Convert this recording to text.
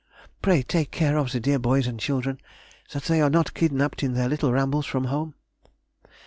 Pray take care of the dear boys and children, that they are not kidnapped in their little rambles from home.